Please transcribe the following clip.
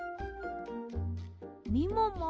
みもも